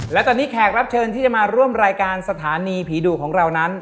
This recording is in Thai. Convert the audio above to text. และตอนนี้แขกรับเชิญที่จะมาร่วมรายการสถานีผีดุของเรานั้น